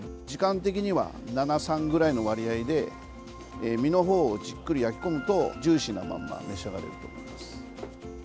時間的には７：３ぐらいの割合で身のほうをじっくり焼き込むとジューシーなまま召し上がれると思います。